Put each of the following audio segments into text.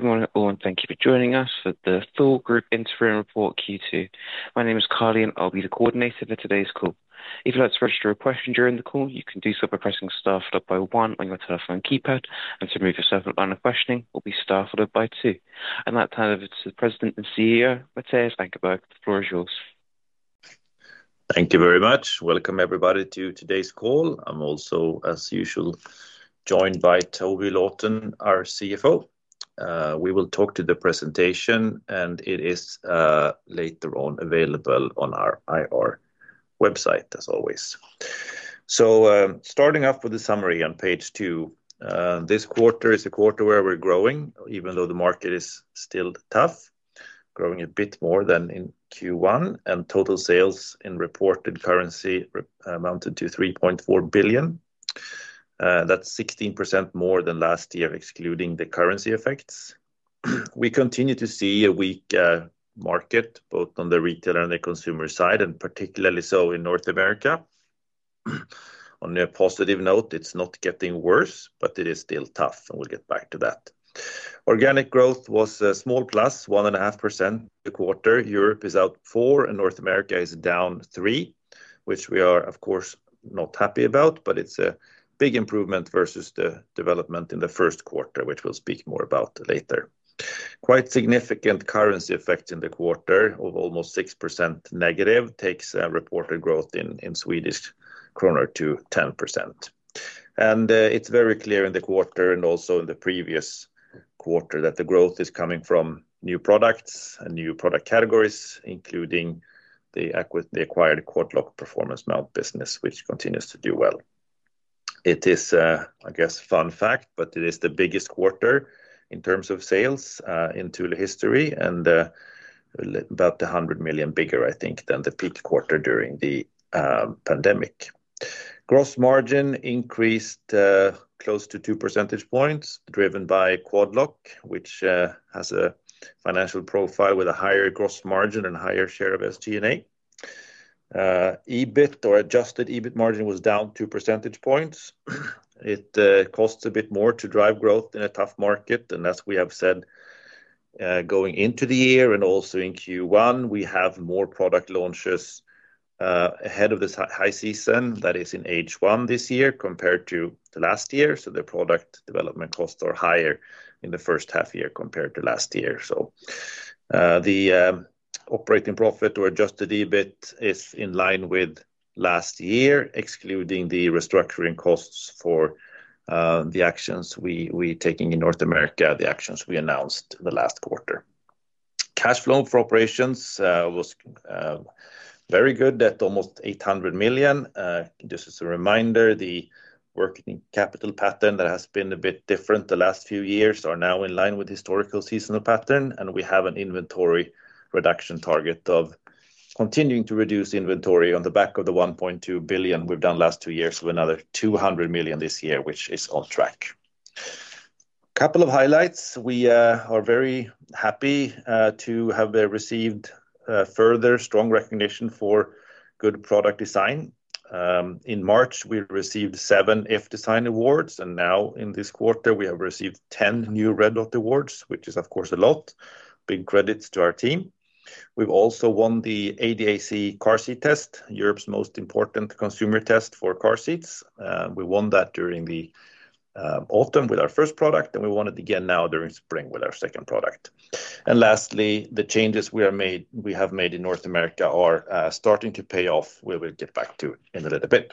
morning all and thank you for joining us for the Thor Group Interim Report Q2. My name is Carly, and I'll be the coordinator for today's call. And that time, over to the President and CEO, Matthijs van Kempenberg. The floor is yours. Thank you very much. Welcome, everybody, to today's call. I'm also, as usual, joined by Toby Lawton, our CFO. We will talk to the presentation, and it is later on available on our IR website as always. So starting off with the summary on page two. This quarter is a quarter where we're growing, even though the market is still tough, growing a bit more than in Q1, and total sales in reported currency amounted to 3,400,000,000.0. That's 16% more than last year, excluding the currency effects. We continue to see a weak market, both on the retail and the consumer side, and particularly so in North America. On a positive note, it's not getting worse, but it is still tough, and we'll get back to that. Organic growth was a small plus, 1.5% the quarter. Europe is up 4% and North America is down 3%, which we are, of course, not happy about, but it's a big improvement versus the development in the first quarter, which we'll speak more about later. Quite significant currency effect in the quarter of almost 6% negative takes reported growth in Swedish kronor to 10%. And it's very clear in the quarter and also in the previous quarter that the growth is coming from new products and new product categories, including the acquired Quartlock performance mount business, which continues to do well. It is, I guess, fact, but it is the biggest quarter in terms of sales in Tula history and about 100,000,000 bigger, I think, than the peak quarter during the pandemic. Gross margin increased close to two percentage points, driven by Quadlock, which has a financial profile with a higher gross margin and higher share of SG and A. EBIT or adjusted EBIT margin was down two percentage points. It costs a bit more to drive growth in a tough market. And as we have said, going into the year and also in Q1, have more product launches ahead of this high season, that is in H1 this year compared to the last year. So the product development costs are higher in the first half year compared to last year. So the operating profit or adjusted EBIT is in line with last year, excluding the restructuring costs for the actions we're taking in North America, the actions we announced in the last quarter. Cash flow for operations was very good at almost 800,000,000. Just as a reminder, the working capital pattern that has been a bit different the last few years are now in line with historical seasonal pattern, and we have an inventory reduction target of continuing to reduce inventory on the back of the 1,200,000,000.0 we've done last two years with another 200,000,000 this year, which is on track. A couple of highlights, we are very happy to have received further strong recognition for good product design. In March, we received seven IfDesign awards, and now in this quarter we have received 10 new Red Dot awards, which is of course a lot, big credits to our team. We've also won the ADAC car seat test, Europe's most important consumer test for car seats. We won that during the autumn with our first product, and we won it again now during spring with our second product. And lastly, the changes we have made in North America are starting to pay off, we'll get back to in a little bit.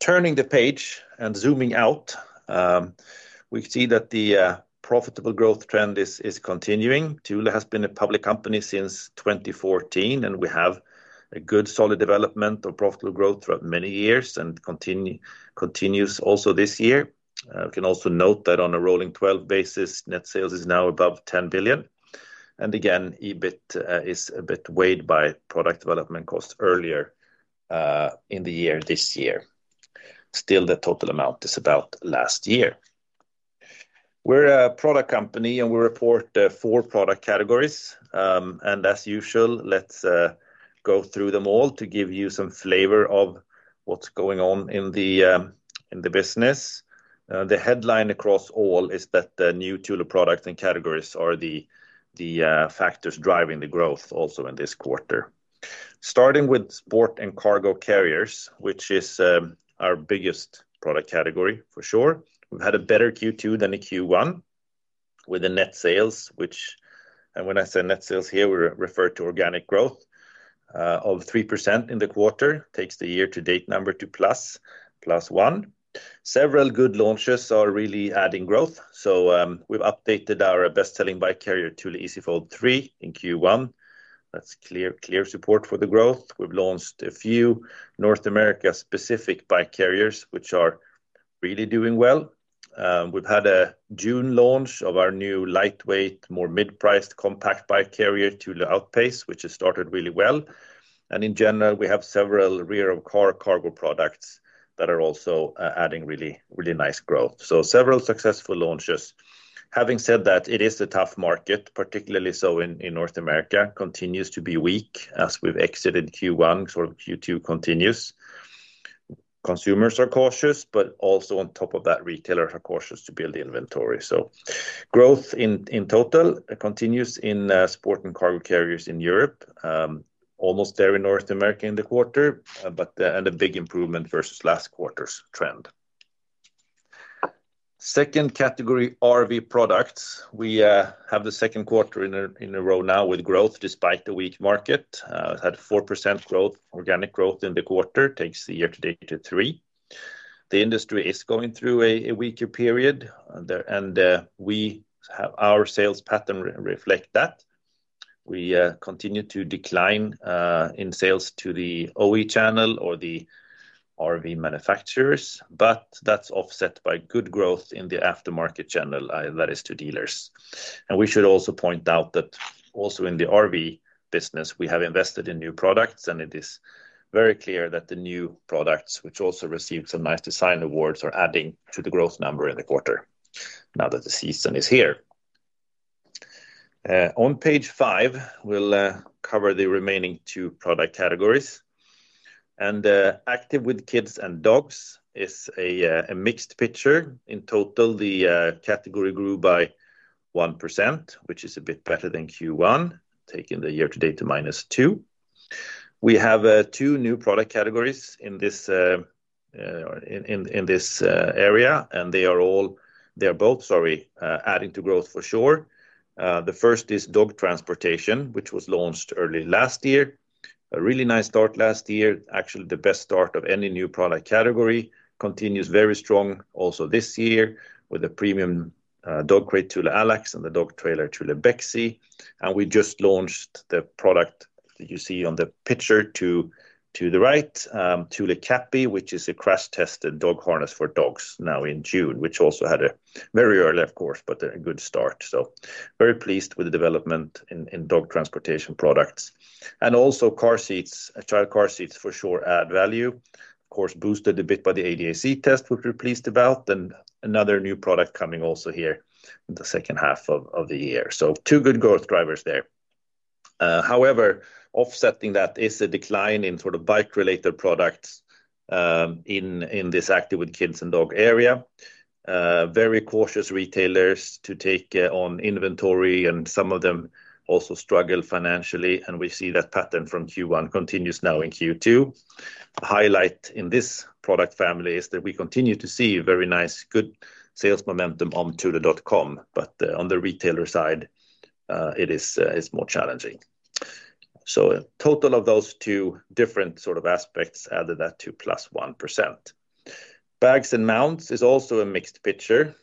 Turning the page and zooming out, we see that the profitable growth trend is continuing. Thule has been a public company since 2014, and we have a good solid development of profitable growth throughout many years and continues also this year. You can also note that on a rolling 12 basis, net sales is now above 10,000,000,000. And again EBIT is a bit weighed by product development costs earlier in the year this year. Still the total amount is about last year. We're a product company and we report four product categories, And as usual, let's go through them all to give you some flavor of what's going on in the business. The headline across all is that the new TULER products and categories are the factors driving the growth also in this quarter. Starting with Sport and Cargo Carriers, which is our biggest product category for sure. We've had a better Q2 than the Q1 with the net sales, which and when I say net sales here, we refer to organic growth of 3% in the quarter, takes the year to date number to plus one. Several good launches are really adding growth, so we've updated our best selling bike carrier Thule Easy Fold three in Q1, that's clear support for the growth. We've launched a few North America specific bike carriers, which are really doing well. We've had a June launch of our new lightweight, more mid priced compact bike carrier to outpace, which has started really well. And in general, we have several rear of car cargo products that are also adding really nice growth. So several successful launches. Having said that, it is a tough market, particularly so in North America, continues to be weak as we've exited Q1, sort of Q2 continues. Consumers are cautious, but also on top of that, retailers are cautious to build inventory. So growth in total continues in sport and cargo carriers in Europe, almost there in North America in the quarter, but and a big improvement versus last quarter's trend. Second category, RV products. We have the second quarter in a row now with growth despite the weak market, had 4% growth organic growth in the quarter, takes the year to date to three The industry is going through a weaker period, we have our sales pattern reflect that. We continue to decline in sales to the OE channel or the RV manufacturers, but that's offset by good growth in the aftermarket channel, that is to dealers. And we should also point out that also in the RV business, we have invested in new products, and it is very clear that the new products, which also received some nice design awards, are adding to the growth number in the quarter, now that the season is here. On Page five, we'll cover the remaining two product categories. And active with kids and dogs is a mixed picture. In total, the category grew by 1%, which is a bit better than Q1, taking the year to date to minus two. We have two new product categories in this area, and they are all they are both, sorry, adding to growth for sure. The first is dog transportation, which was launched early last year, a really nice start last year, actually the best start of any new product category, continues very strong also this year with a premium dog crate Thule Alex and the dog trailer Thule Bexi, and we just launched the product that you see on the picture to the right, Thule Cappy, which is a crash tested dog harness for dogs now in June, which also had a very early of course, but a good start. So very pleased with the development in dog transportation products. And also car seats, child car seats for sure add value, of course boosted a bit by the ADAC test, which we're pleased about, and another new product coming also here in the second half of the year, so two good growth drivers there. However, offsetting that is a decline in sort of bike related products in this active with kids and dog area. Very cautious retailers to take on inventory, and some of them also struggle financially, and we see that pattern from Q1 continues now in Q2. The highlight in this product family is that we continue to see very nice good sales momentum on tule.com, but on the retailer side it is more challenging. So total of those two different sort of aspects added that to plus 1%. Bags and mounts is also a mixed picture,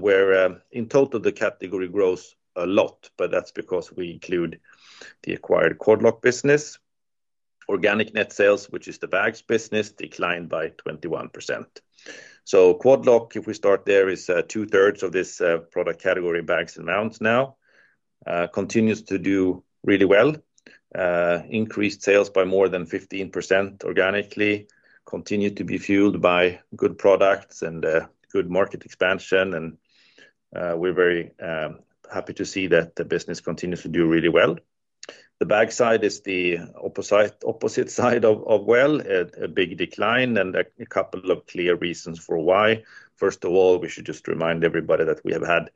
where in total the category grows a lot, but that's because we include the acquired Quadlock business. Organic net sales, which is the bags business, declined by 21%. So Quadlock, if we start there, is two thirds of this product category, bags and mounts now, continues to do really well, increased sales by more than 15% organically, continued to be fueled by good products and good market expansion, and we're very happy to see that the business continues to do really well. The bag side is the opposite side of well, a big decline, and a couple of clear reasons for why. First of all, we should just remind everybody that we have had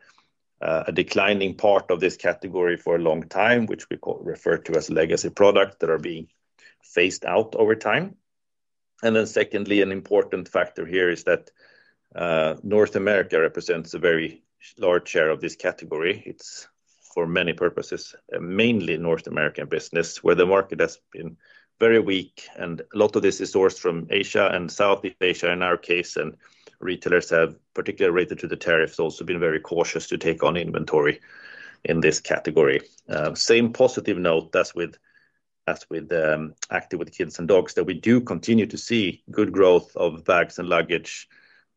a declining part of this category for a long time, which we refer to as legacy products that are being phased out over time. And then secondly, an important factor here is that North America represents a very large share of this category. It's for many purposes, mainly North American business, where the market has been very weak, and a lot of this is sourced from Asia and Southeast Asia in our case, and retailers have particularly related to the tariffs also been very cautious to take on inventory in this category. Same positive note as with Active with Kids and Dogs that we do continue to see good growth of bags and luggage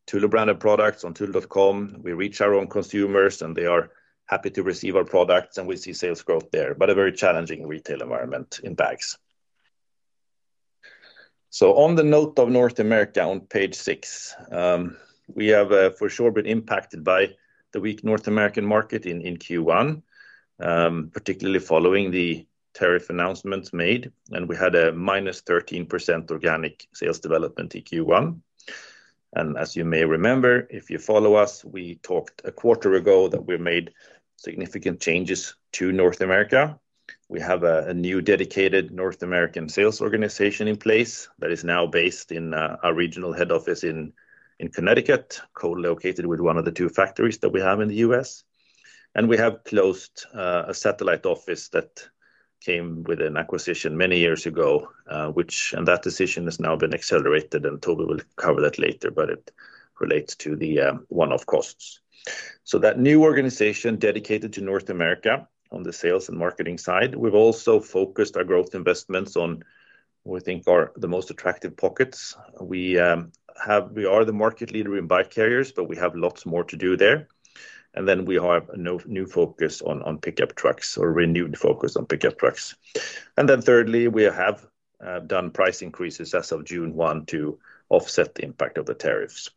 Tula branded products on tula.com. We reach our own consumers, and they are happy to receive our products, and we see sales growth there, but a very challenging retail environment in bags. So on the note of North America on page six, we have for sure been impacted by the weak North American market in Q1, particularly following the tariff announcements made, and we had a minus 13% organic sales development in Q1. And as you may remember, if you follow us, we talked a quarter ago that we made significant changes to North America. We have a new dedicated North American sales organization in place that is now based in our regional head office in Connecticut, co located with one of the two factories that we have in The US. And we have closed a satellite office that came with an acquisition many years ago, which and that decision has now been accelerated, and Toby will cover that later, but it relates to the one off costs. So that new organization dedicated to North America on the sales and marketing side, we've also focused our growth investments on, we think, the most attractive pockets. We we are the market leader in bike carriers, but we have lots more to do there. And then we have a new focus on pickup trucks or renewed focus on pickup trucks. And then thirdly, we have done price increases as of June 1 to offset the impact of the tariffs.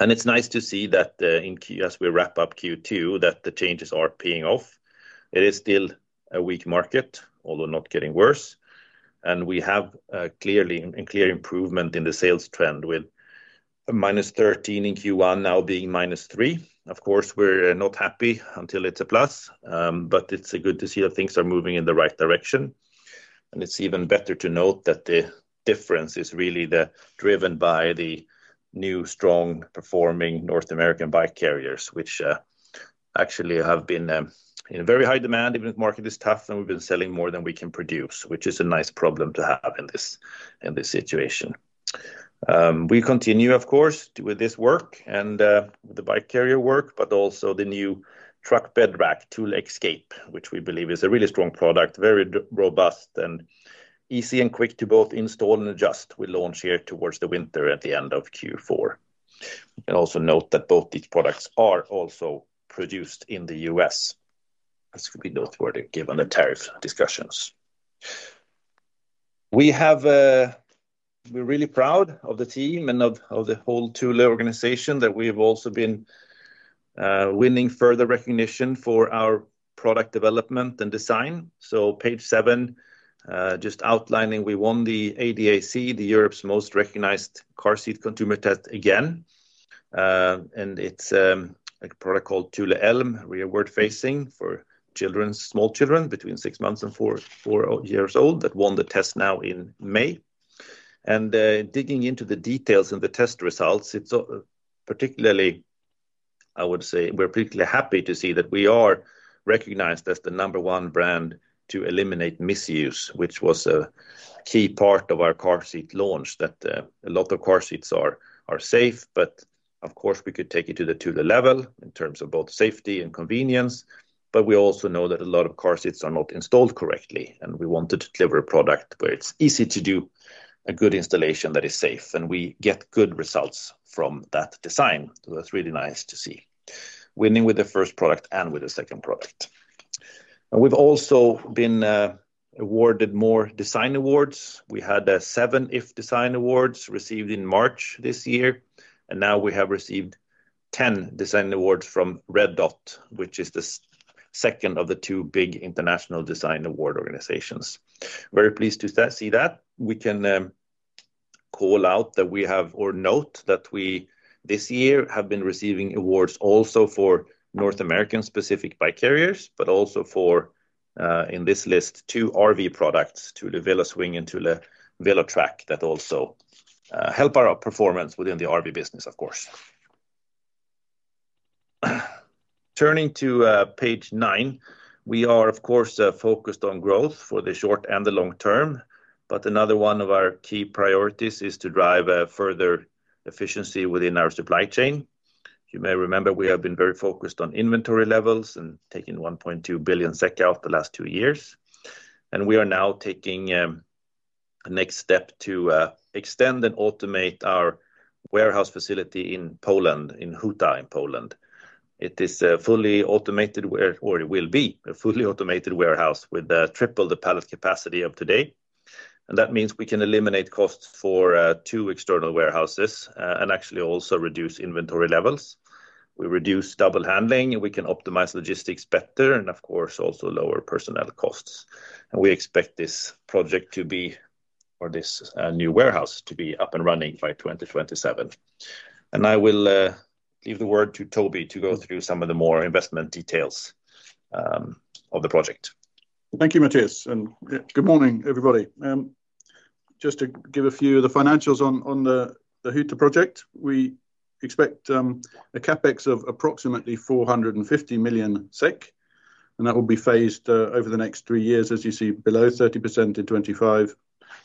And it's nice to see that in as we wrap up Q2 that the changes are paying off. It is still a weak market, although not getting worse, And we have clearly and clear improvement in the sales trend with minus 13% in Q1 now being minus 3%. Of course, we're not happy until it's a plus, but it's good to see that things are moving in the right direction. It's even better to note that the difference is really driven by the new strong performing North American bike carriers, which actually have been in a very high demand even if market is tough and we've been selling more than we can produce, which is a nice problem to have in this situation. We continue, of course, with this work and the bike carrier work, but also the new truck bed rack tool escape, which we believe is a really strong product, very robust and easy and quick to both install and adjust. We launched here towards the winter at the end of Q4. And also note that both these products are also produced in The US, as could be noteworthy given the tariff discussions. We're really proud of the team and of the whole Thule organization that we've also been winning further recognition for our product development and design. So page seven, just outlining we won the ADAC, the Europe's most recognized car seat consumer test again, and it's a product called Tule Elm, rearward facing for children, small children between six months and four years old, that won the test now in May. Digging into the details and the test results, it's particularly, I would say, we're particularly happy to see that we are recognized as the number one brand to eliminate misuse, which was a key part of our car seat launch, that a lot of car seats are safe, but of course we could take it to level in terms of both safety and convenience, but we also know that a lot of car seats are not installed correctly, and we wanted to deliver a product where it's easy to do, a good installation that is safe, and we get good results from that design, so that's really nice to see, winning with the first product and with the second product. We've also been awarded more design awards. We had seven IF design awards received in March, and now we have received 10 design awards from Red Dot, which is the second of the two big international design award organizations. Very pleased to see that. We can call out that we have or note that we, this year, have been receiving awards also for North American specific bike carriers, but also for, in this list, two RV products to the Villa Swing and to the Villa Track that also help our performance within the RV business, of course. Turning to page nine, we are of course focused on growth for the short and the long term, but another one of our key priorities is to drive further efficiency within our supply chain. You may remember, we have been very focused on inventory levels and taking 1.2 billion SEK out the last two years. And we are now taking the next step to extend and automate our warehouse facility in Poland, in Huta in Poland. It is fully automated, or it will be a fully automated warehouse with triple the pallet capacity of today, and that means we can eliminate costs for two external warehouses, and actually also reduce inventory levels. We reduce double handling, and we can optimize logistics better, and of course also lower personnel costs. And we expect this project to be, or this new warehouse to be up and running by 2027. And I will leave the word to Toby to go through some of the more investment details of the project. Thank you Matthias and good morning everybody. Just to give a few of the financials on the Huta project, we expect a CapEx of approximately 450 million SEK and that will be phased over the next three years as you see below 30% in '25,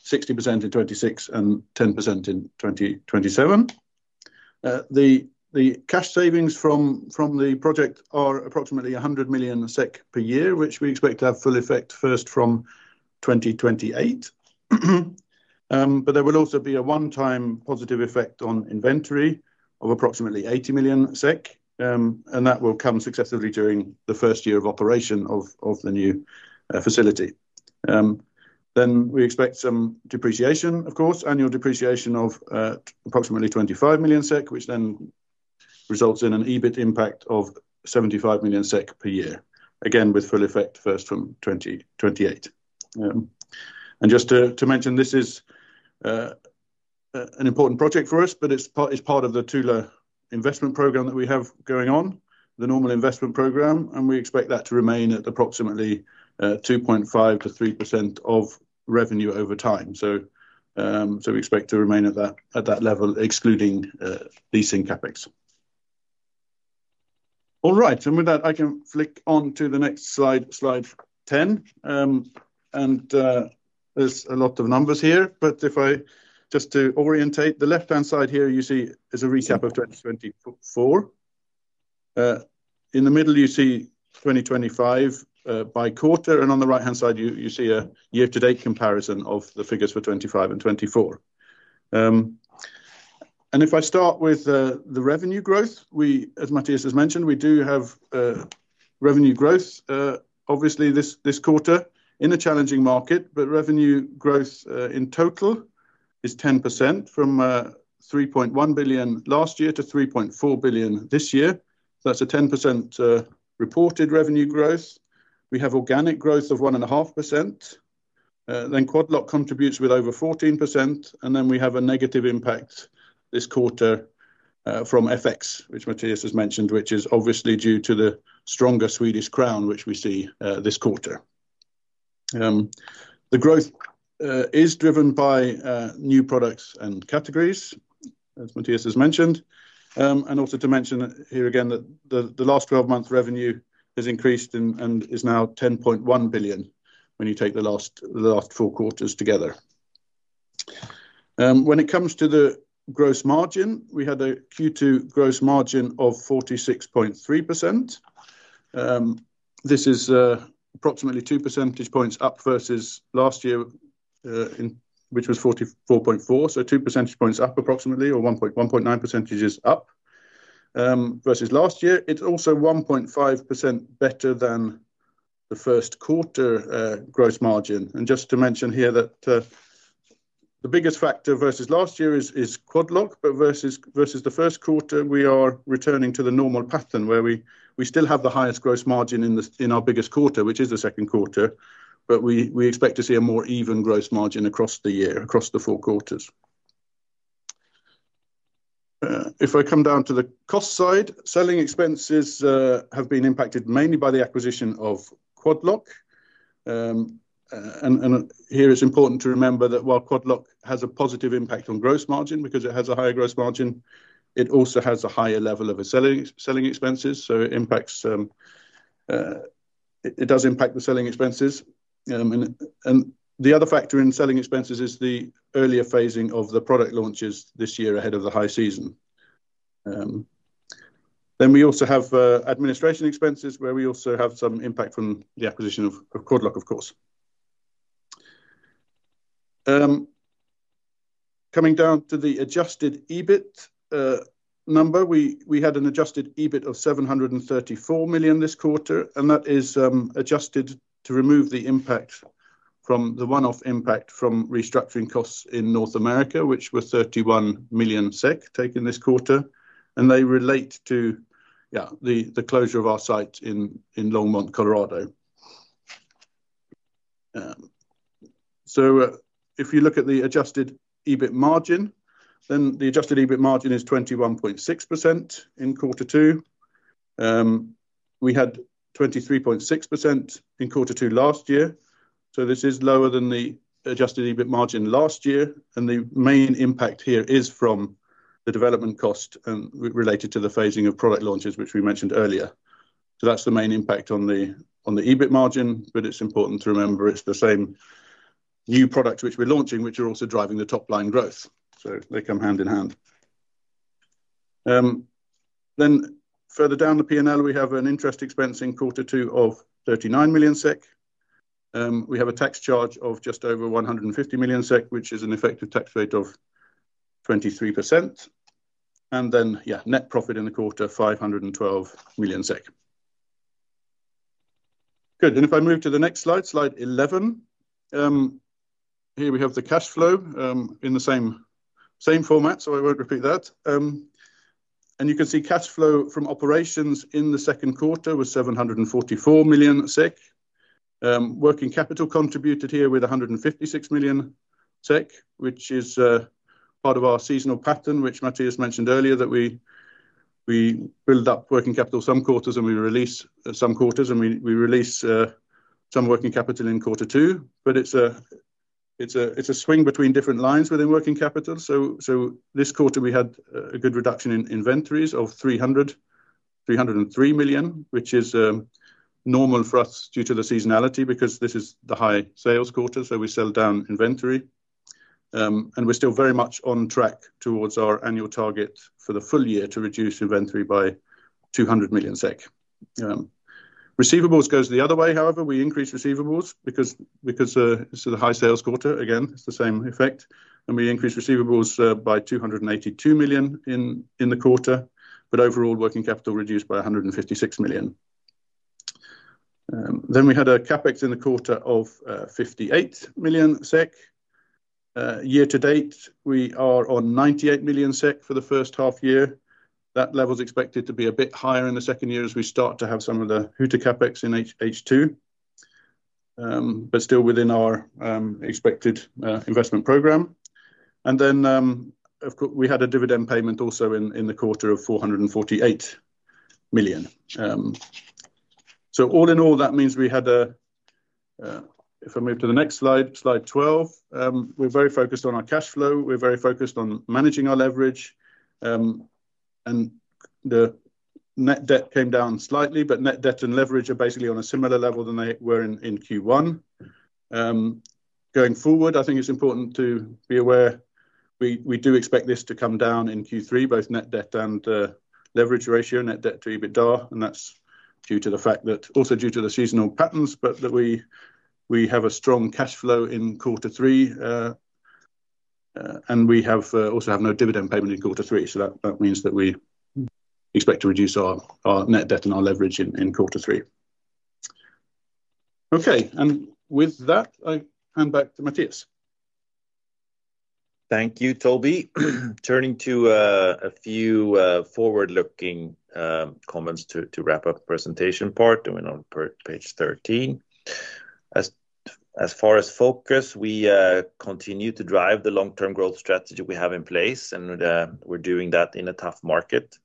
60% in '26 and ten percent in 2027. The cash savings from the project are approximately 100 million SEK per year which we expect to have full effect first from 2028, but there will also be a one time positive effect on inventory of approximately 80 million SEK and that will come successively during the first year of operation of the new facility. Then we expect some depreciation of course annual depreciation of approximately 25 million SEK which then results in an EBIT impact of 75 million SEK per year, again with full effect first from 2028. And just to mention this is an important project for us but it's part of the Tula investment programme that we have going on, the normal investment programme and we expect that to remain at approximately 2.5% to 3% of revenue over time. We expect to remain at that level excluding leasing CapEx. All right, so with that I can flick on to the next slide, slide 10. And there's a lot of numbers here, but if I just to orientate the left hand side here you see is a recap of 2024. In the middle you see 2025 by quarter and on the right hand side you see a year to date comparison of the figures for 2025 and 2024. And if I start with the revenue growth, we, as Matthias has mentioned, we do have revenue growth obviously this quarter in a challenging market, but revenue growth in total is 10% from £3,100,000,000 last year to £3,400,000,000 this year. That's a 10% reported revenue growth. We have organic growth of 1.5%. Then Quadlock contributes with over 14% and then we have a negative impact this quarter from FX, which Matthias has mentioned, which is obviously due to the stronger Swedish crown, which we see this quarter. The growth is driven by new products and categories, as Matthias has mentioned, and also to mention here again that the last 12 revenue has increased and is now 10,100,000,000.0 when you take the last four quarters together. When it comes to the gross margin, we had a Q2 gross margin of 46.3%. This is approximately two percentage points up versus last year which was 44. Four. So two percentage points up approximately or one. One. Nine percentages up. Versus last year. It's also one. 5% better than the first quarter gross margin. And just to mention here that the biggest factor versus last year is Quadlock, but versus the first quarter, we are returning to the normal pattern where we still have the highest gross margin in our biggest quarter, which is the second quarter, but we expect to see a more even gross margin across the year, across the four quarters. If I come down to the cost side selling expenses have been impacted mainly by the acquisition of Quadlock and here it's important to remember that while Quadlock has a positive impact on gross margin because it has a higher gross margin, it also has a higher level of selling expenses. So it impacts it does impact the selling expenses and the other factor in selling expenses is the earlier phasing of the product launches this year ahead of the high season. Then we also have administration expenses where we also have some impact from the acquisition of Cordlock of course. Coming down to the adjusted EBIT number we had an adjusted EBIT of £734,000,000 this quarter and that is adjusted to remove the impact from the one off impact from restructuring costs in North America which were 31 million SEK taken this quarter and they relate to yeah the closure of our site in Longmont, Colorado. So if you look at the adjusted EBIT margin then the adjusted EBIT margin is 21.6% in quarter two. We had 23.6% in quarter two last year So this is lower than the adjusted EBIT margin last year. And the main impact here is from the development cost related to the phasing of product launches, which we mentioned earlier. So that's the main impact on EBIT margin, but it's important to remember it's the same new products which we're launching which are also driving the top line growth. So they come hand in hand. Then further down the P and L we have an interest expense in quarter two of million. We have a tax charge of just over 150 million SEK which is an effective tax rate of 23% and then yeah net profit in the quarter 512 million SEK. Good and if I move to the next slide, slide 11. Here we have the cash flow in the same format so I won't repeat that. And you can see cash flow from operations in the second quarter was 744 million SEK. Working capital contributed here with 156 million SEK, which is part of our seasonal pattern, which Matthias mentioned earlier that we build up working capital some quarters and we release some working capital in quarter two, but it's a swing between different lines within working capital. So this quarter we had a good reduction in inventories of three zero three million, which is normal for us due to the seasonality because this is the high sales quarter, so we sell down inventory. And we're still very much on track towards our annual target for the full year to reduce inventory by 200 million SEK. Receivables goes the other way however, we increase receivables because it's the high sales quarter again it's the same effect and we increased receivables by 282 million in the quarter but overall working capital reduced by 156 million. Then we had a CapEx in the quarter of 58 million SEK. Year to date we are on 98 million SEK for the first half year. That level is expected to be a bit higher in the second year as we start to have some of the Hooter CapEx in H2, but still within our expected investment programme. And then we had a dividend payment also in the quarter of £448,000,000 So all in all, means we had a if I move to the next slide, slide 12, we're very focused on our cash flow, we're very focused on managing our leverage and the net debt came down slightly, but net debt and leverage are basically on a similar level than they were in Q1. Going forward, think it's important to be aware we do expect this to come down in Q3 both net debt and leverage ratio net debt to EBITDA and that's due to the fact that also due to the seasonal patterns but that we have a strong cash flow in quarter three and we have also have no dividend payment in quarter three so that means that we expect to reduce our net debt and our leverage in quarter three. Okay and with that I hand back to Matthias. Thank you, Toby. Turning to a few forward looking comments to wrap up the presentation part, going on page 13. As far as focus, we continue to drive the long term growth strategy we have in place, and we're doing that in a tough market.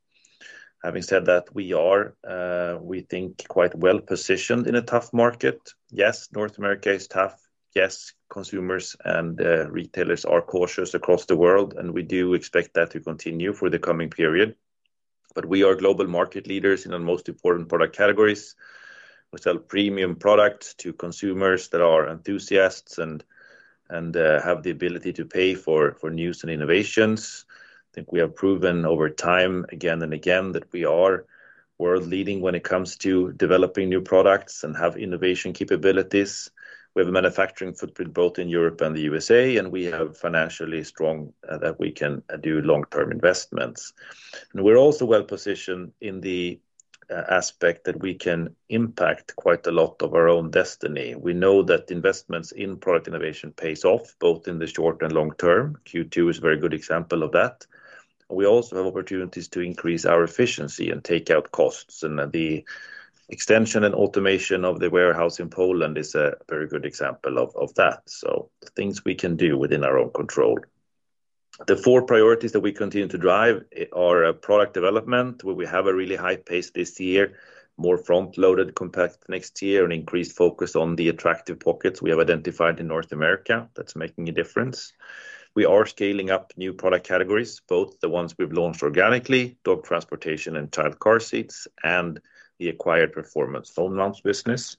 Having said that, we are, we think, quite well positioned in a tough market. Yes, North America is tough. Yes, consumers and retailers are cautious across the world, and we do expect that to continue for the coming period. But we are global market leaders in the most important product categories. We sell premium products to consumers that are enthusiasts and have the ability to pay for news and innovations. I think we have proven over time again and again that we are world leading when it comes to developing new products and have innovation capabilities. We have a manufacturing footprint both in Europe and The USA, and we have financially strong that we can do long term investments. And we're also well positioned in the aspect that we can impact quite a lot of our own destiny. We know that investments in product innovation pays off both in the short and long term, Q2 is very good example of that. We also have opportunities to increase our efficiency and take out costs, and the extension and automation of the warehouse in Poland is a very good example of that. So things we can do within our own control. The four priorities that we continue to drive are product development, where we have a really high pace this year, more front loaded compact next year and increased focus on the attractive pockets we have identified in North America that are making a difference. We are scaling up new product categories, both the ones we've launched organically, dog transportation and child car seats, and the acquired performance phone lounge business.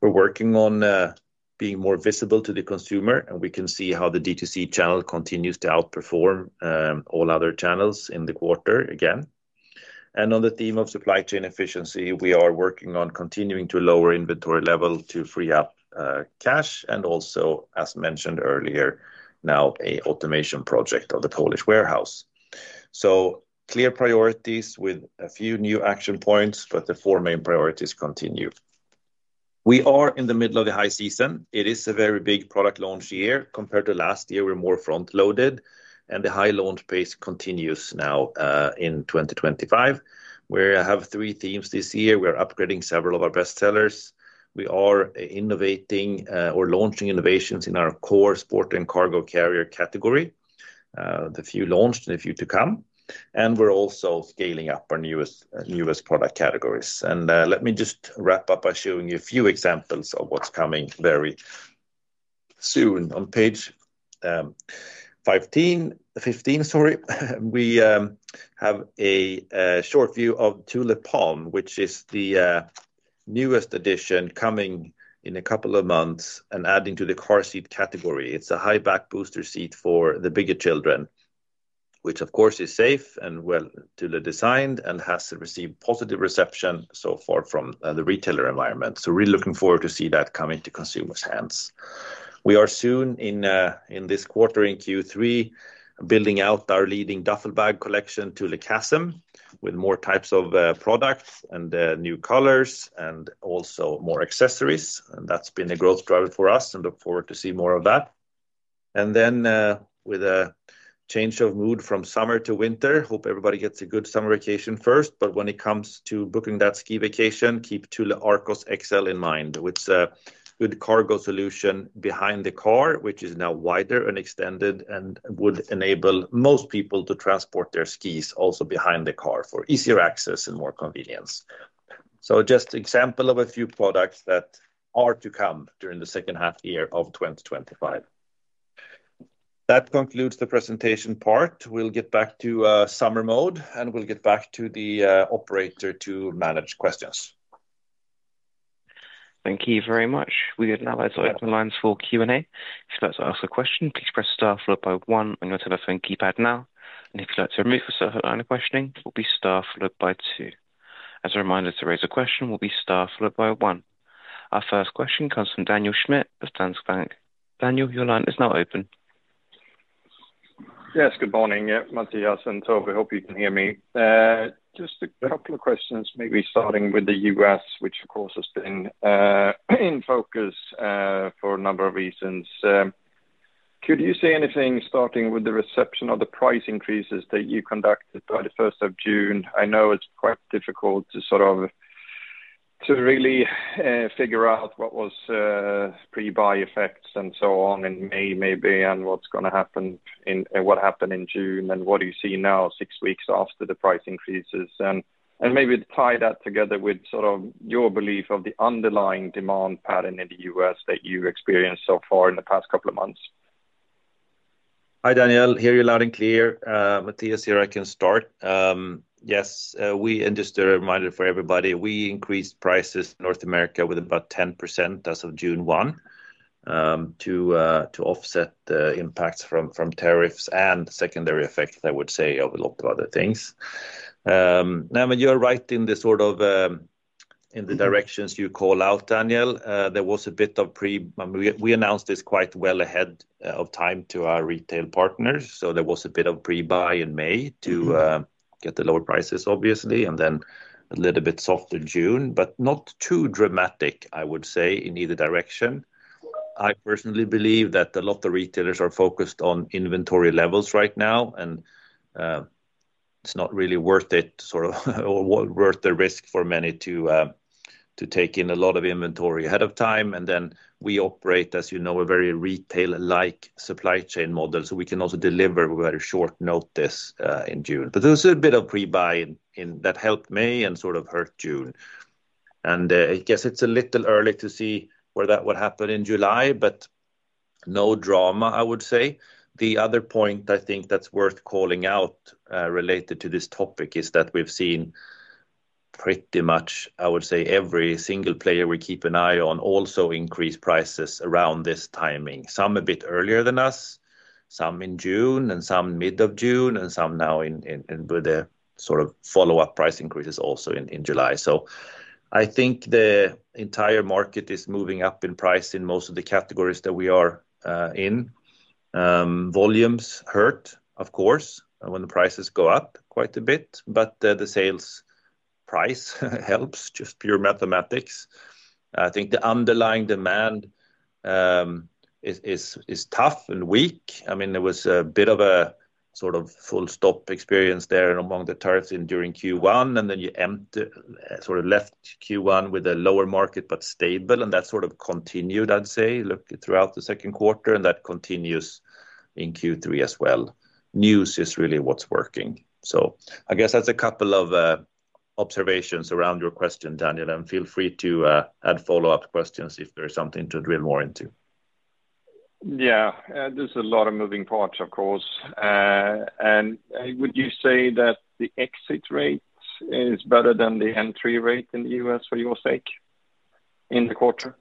We're working on being more visible to the consumer, and we can see how the DTC channel continues to outperform all other channels in the quarter again. And on the theme of supply chain efficiency, we are working on continuing to lower inventory level to free up cash and also, as mentioned earlier, now an automation project of the Polish warehouse. So clear priorities with a few new action points, but the four main priorities continue. We are in the middle of the high season. It is a very big product launch year. Compared to last year, we're more front loaded, and the high launch pace continues now in 2025. We have three themes this year. We're upgrading several of our best sellers. We are innovating or launching innovations in our core sport and cargo carrier category, the few launched in a few to come, and we're also scaling up our newest product categories. And let me just wrap up by showing you a few examples of what's coming very soon. On page 15, we have a short view of Tulipalm, which is the newest addition coming in a couple of months and adding to the car seat category. It's a high back booster seat for the bigger children, which of course is safe and well designed, and has received positive reception so far from the retailer environment. So really looking forward to see that coming to consumers' hands. We are soon in this quarter in Q3 building out our leading duffel bag collection to Le Chasm, with more types of products and new colors, and also more accessories, and that's been a growth driver for us and look forward to see more of that. And then with a change of mood from summer to winter, hope everybody gets a good summer vacation first, but when it comes to booking that ski vacation, keep Thule Arkos XL in mind with a good cargo solution behind the car, which is now wider and extended and would enable most people to transport their skis also behind the car for easier access and more convenience. So just example of a few products that are to come during the second half year of 2025. That concludes the presentation part. We'll get back to summer mode, and we'll get back to the operator to manage questions. Thank you very much. Our first question comes from Daniel Schmidt of Stansbank. Daniel, your line is now open. Good morning. Matthias and Tov, I hope you can hear me. Just a couple of questions, maybe starting with The U. S, which of course has been in focus for a number of reasons. Could you say anything starting with the reception of the price increases that you conduct by the June 1? I know it's quite difficult to sort of to really figure out what was pre buy effects and so on and May maybe and what's going to happen and what happened in June and what do you see now six weeks off to the price increases? And maybe tie that together with sort of your belief of the underlying demand pattern in The U. S. That you've experienced so far in the past couple of months? Hi, Daniel. Hear you loud and clear. Matthias here, I can start. Yes, we and just a reminder for everybody, we increased prices in North America with about 10% as of June 1 to offset the impacts from tariffs and secondary effects, I would say, of a lot of other things. Now, I mean, you're right in the sort of in the directions you call out, Daniel. There was a bit of pre we announced this quite well ahead of time to our retail partners, so there was a bit of pre buy in May to get the lower prices obviously, and then a little bit softer June, but not too dramatic, I would say, in either direction. I personally believe that a lot of retailers are focused on inventory levels right now, and it's not really worth it, sort of, or worth the risk for many to take in a lot of inventory ahead of time, and then we operate, as you know, a very retail like supply chain model, so we can also deliver with a very short notice in June. But there's a bit of pre buy that helped May and sort of hurt June, and I guess it's a little early to see where that would happen in July, but no drama, I would say. The other point I think that's worth calling out related to this topic is that we've seen pretty much, I would say, every single player we keep an eye on also increased prices around this timing. Some a bit earlier than us, some in June and some June and some now in Buder sort of follow-up price increases also in July. So I think the entire market is moving up in price in most of the categories that we are in. Volumes hurt, of course, when the prices go up quite a bit, but the sales price helps, just pure mathematics. I think the underlying demand is tough and weak. I mean, there was a bit of a sort of full stop experience there among the tariffs during Q1, and then you sort of left Q1 with a lower market, but stable, and that sort of continued, I'd say, look, throughout the second quarter, and that continues in Q3 as well. News is really what's working. So I guess that's a couple of observations around your question, Daniel, and feel free to add follow-up questions if there's something to drill more into. Yes, there's a lot of moving parts, of course. And would you say that the exit rate is better than the entry rate in The U. S. For your sake in the quarter?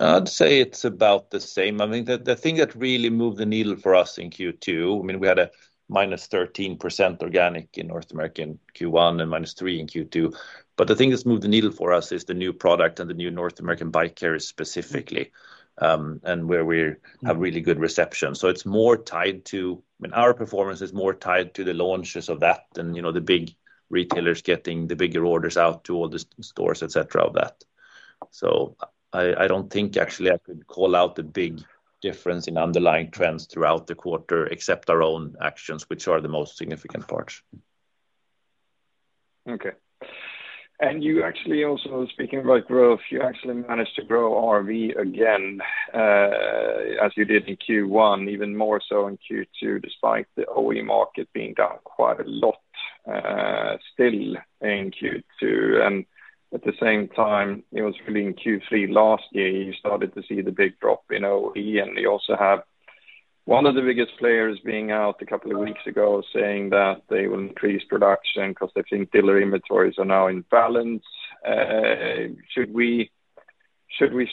I'd say it's about the same. I mean, thing that really moved the needle for us in Q2, I mean, we had a minus 13% organic in North America in Q1 and minus 3% in Q2. But the thing that's moved the needle for us is the new product and the new North American bike carrier specifically, and where we have really good reception. So it's more tied to I mean, our performance is more tied to the launches of that, and, you know, the big retailers getting the bigger orders out to all the stores, of that. So I don't think actually I could call out a big difference in underlying trends throughout the quarter except our own actions, which are the most significant parts. Actually also speaking And about growth, you actually managed to grow RV again as you did in Q1, even more so in Q2 despite the OE market being down quite a lot still in Q2. And at the same time, was really in Q3 last year, you started to see the big drop in OE and you also have one of the biggest players being out a couple of weeks ago saying that they will increase production because they think dealer inventories are now in balance. Should we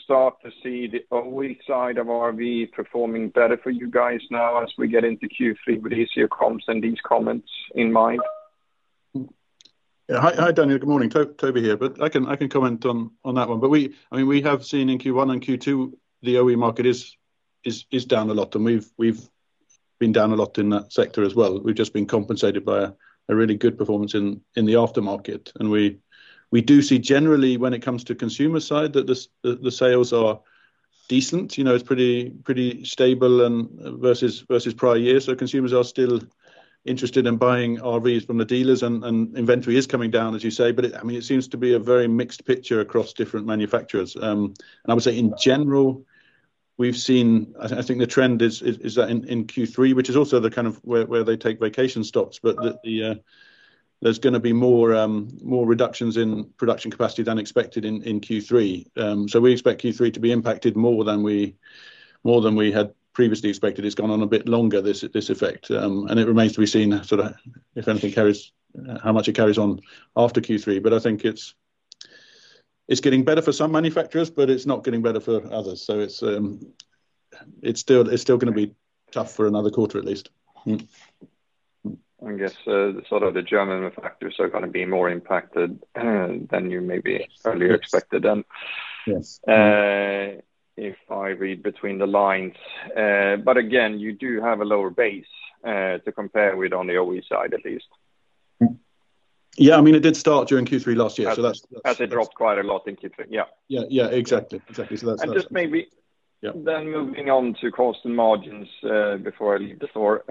start to see the OE side of RV performing better for you guys now as we get into Q3 with easier comps and these comments in mind? Daniel. Good morning. Toby here. But I comment on that one. But we have seen in Q1 and Q2 the OE market is down a lot, and we've been down a lot in that sector as well. We've just been compensated by a really good performance in the aftermarket. And we do see generally when it comes to consumer side that the sales are decent. It's pretty stable versus prior years. So consumers are still interested in buying RVs from the dealers, inventory is coming down, as you say. But I mean, it seems to be a very mixed picture across different manufacturers. And I would say, in general, we've seen I think the trend is that in Q3, which is also the kind of where they take vacation stops, but there's going to be more reductions in production capacity than expected in Q3. So we expect Q3 to be impacted than we had previously expected. It's gone on a bit longer, this effect. And it remains to be seen sort of if anything carries how much it carries on after Q3. But I think it's getting better for some manufacturers, but it's not getting better for others. So it's still going to be tough for another quarter at least. I guess sort of the German manufacturers are going to be more impacted than you maybe earlier expected then. If I read between the lines. But again, you do have a lower base to compare with on the OE side, at least. Yes. Mean, did start during Q3 last year. So that's As it dropped quite a lot in Q3. Yes. Yes, yes, exactly. Exactly. That's And just maybe then moving on to cost and margins before I leave the floor.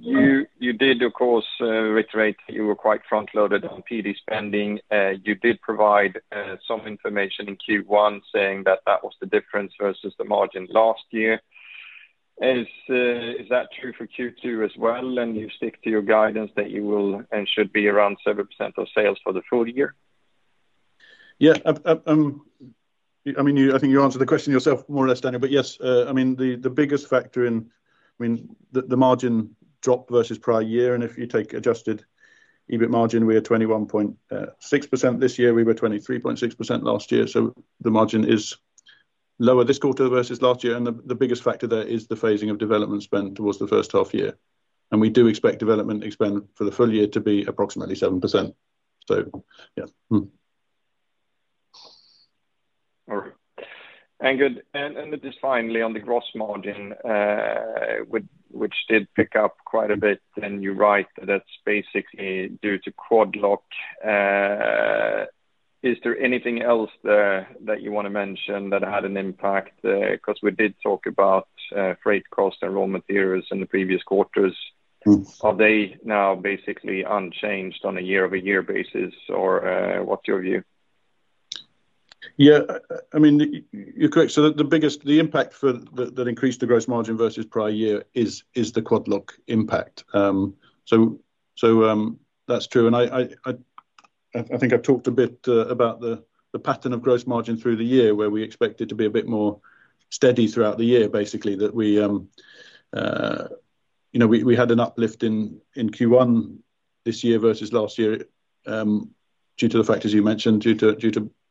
You did, of course, reiterate that you were quite front loaded on PD spending. You did provide some information in Q1 saying that that was the difference versus the margin last year. Is that true for Q2 as well and you stick to your guidance that you will and should be around 7% of sales for the full year? Yes. I mean, I think you answered the question yourself more or less, Daniel. But yes, I mean, the biggest factor in I mean, the margin dropped versus prior year. And if you take adjusted EBIT margin, we are 21.6% this year. We were 23.6 last year. So the margin is lower this quarter versus last year. And the biggest factor there is the phasing of development spend towards the first half year. And we do expect development expense for the full year to be approximately 7%. Yes. Right. And good. And just finally on the gross margin, which did pick up quite a bit, and you're right, that's basically due to quad lock. Is there anything else that you want to mention that had an impact? Because we did talk about freight cost and raw materials in the previous quarters. Are they now basically unchanged on a year over year basis or what's your view? Yes, I mean, you're correct. So the biggest the impact for that increased the gross margin versus prior year is the quad lock impact. So that's true. And I think I've talked a bit about the pattern of gross margin through the year, where we expect it to be a bit more steady throughout the year, basically, that we had an uplift in Q1 this year versus last year due to the factors you mentioned,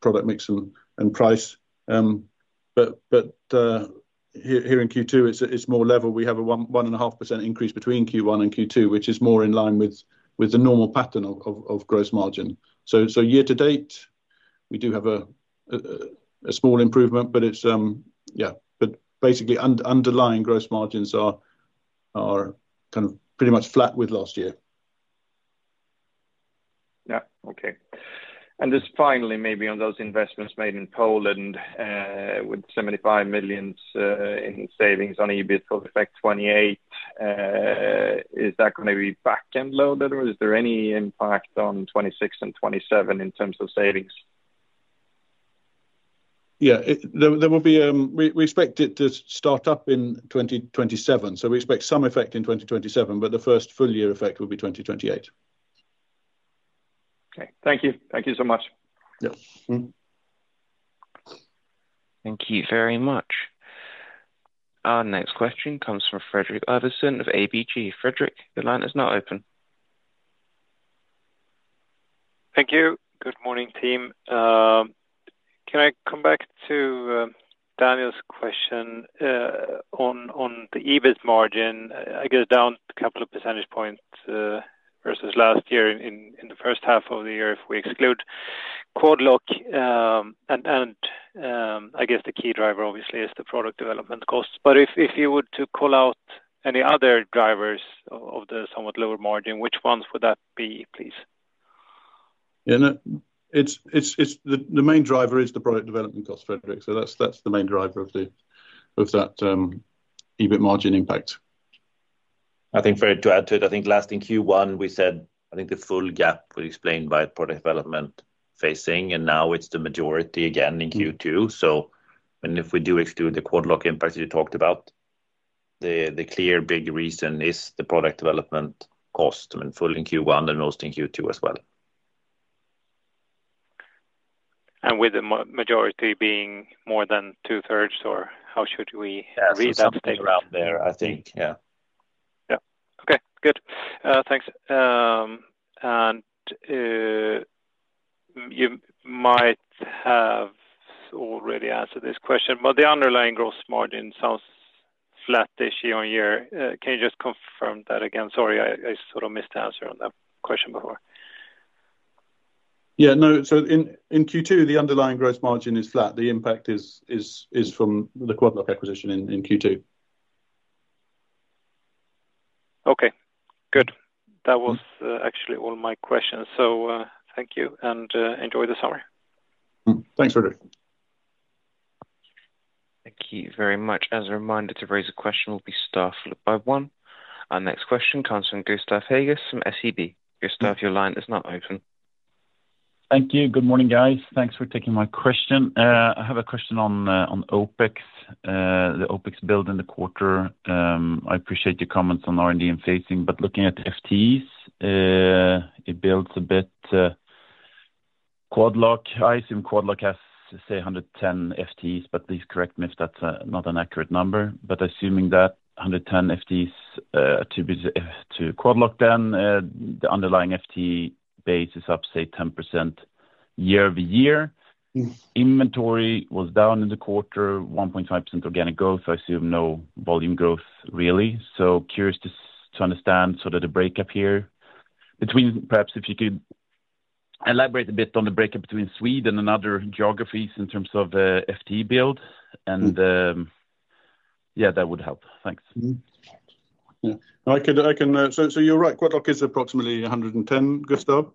product mix and price. But here in Q2, it's more level. We have a 1.5% increase between Q1 and Q2, which is more in line with the normal pattern of gross margin. So year to date, we do have a small improvement, but it's yes, but basically underlying gross margins are kind of pretty much flat with last year. Yes, okay. And just finally maybe on those investments made in Poland with 75,000,000 in savings on EBIT of 28,000,000. Is that going to be back end loaded? Or is there any impact on 26,000,000 and 27,000,000 in terms of savings? Yes. There will be we expect it to start up in 2027. So we expect some effect in 2027, but the first full year effect will be 2028. Okay. Thank you. Thank you so much. Yes. Thank you very much. Our next question comes from Fredrik Arverson of ABG. Fredrik, your line is now open. Thank you. Good morning team. Can I come back to Daniel's question on the EBIT margin, I guess down a couple of percentage points versus last year in the first half of the year if we exclude Cordlock? And I guess the key driver obviously is the product development costs. But if you were to call out any other drivers of the somewhat lower margin, which ones would that be, please? The main driver is the product development cost, Frederic. So that's the main driver of that EBIT margin impact. Think, Fred, to add to it, think last in Q1, we said, I think the full gap will explain by product development phasing, and now it's the majority again in Q2. So and if we do exclude the QuadLock impact that you talked about, the clear big reason is the product development cost, I mean, full in Q1 and most in Q2 as well. And with the majority being more than two thirds or how should we Yes, read it's around there, I think, yes. Yes. Okay, good. Thanks. And you might have already answered this question, but the underlying gross margin sounds flattish year on year. Can you just confirm that again? Sorry, I sort of missed the answer on that question before. Yes. No. So in Q2, the underlying gross margin is flat. The impact is from the Quadlock acquisition in Q2. Okay, good. Was actually all my questions. So thank you and enjoy the summer. Thanks, Frederic. Thank you very much. Our next question comes from Gustaf Hagis from SEB. Gustaf, your line is now open. Thank you. Good morning, guys. Thanks for taking my question. I have a question on OpEx, the OpEx build in the quarter. I appreciate your comments on R and D and phasing, but looking at FTEs, it builds a bit Quadlock. I assume Quadlock has, say, 110 FTEs, but please correct me if that's not an accurate number. But assuming that 110 FTEs to QuadLock then, the underlying FTE base is up, say, 10% year over year. Inventory was down in the quarter, 1.5% organic growth. I assume no volume growth really. So curious to understand sort of the breakup here between perhaps if you could elaborate a bit on the breakup between Sweden and other geographies in terms of the FTE build? And yes, that would help. Thanks. I can so you're right. Quadlock is approximately 110, Gustav.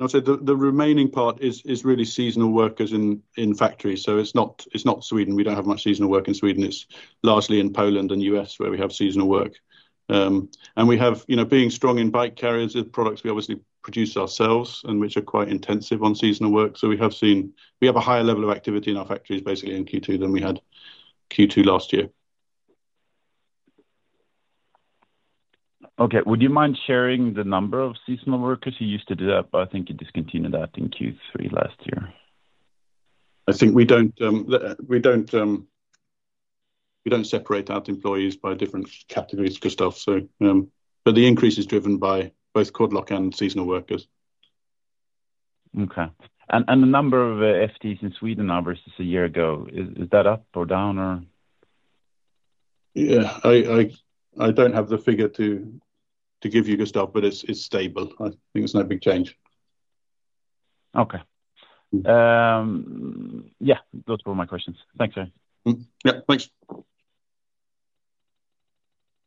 I'd say the remaining part is really seasonal workers in factories, so it's not Sweden. We don't have much seasonal work in Sweden. It's largely in Poland and US where we have seasonal work. And we have, you know, being strong in bike carriers, the products we obviously produce ourselves and which are quite intensive on seasonal work. We have seen we have a higher level of activity in our factories basically in Q2 than we had Q2 last year. Okay. Would you mind sharing the number of seasonal workers who used to do that, but I think you discontinued that in Q3 last year? I think we don't separate out employees by different categories, Christophe, so the increase is driven by both cord lock and seasonal workers. Okay. And and the number of FTEs in Sweden now versus a year ago, is is that up or down or? Yes. I don't have the figure to give you Gustav, but it's stable. I think there's no big change. Okay. Yes. Those were my questions. Thanks, Harry. Yes. Thanks.